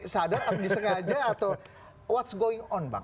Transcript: sadar atau disengaja